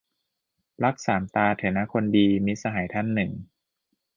"ปลั๊กสามตา เถอะนะคนดี" - มิตรสหายท่านหนึ่ง